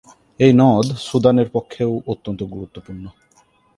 এই নদ সুদানের পক্ষেও অত্যন্ত গুরুত্বপূর্ণ।